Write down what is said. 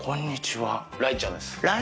雷ちゃんです。